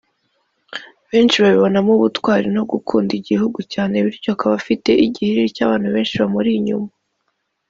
benshi babibonamo ubutwari no gukunda igihugu cyane bityo akaba afite igihiriri cy’abantu benshi bamuri inyuma